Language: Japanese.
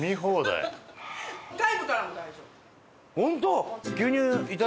ホント？